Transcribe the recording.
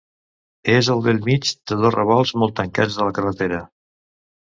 És al bell mig de dos revolts molt tancats de la carretera.